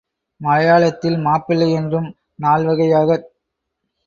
மலையாளத்தில் மாப்பிள்ளை என்றும், நால் வகை யாகச்